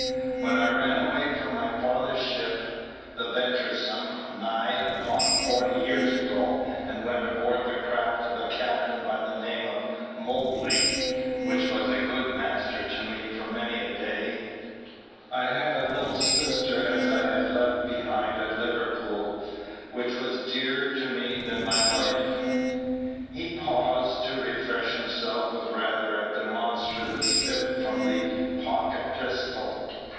When I ran away from father's ship, the Ventur'some, nigh upon forty years ago, and went aboard the craft of a captain by the name of Mobley, which was a good master to me for many a day, I had a little sister as I had left behind at Liverpool, which was dearer to me than my life." He paused to refresh himself with rather a demonstrative sip from the pocket pistol.